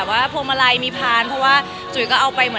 โดยว่าที่คุณด้วยหรือก็เป็นพันธุ์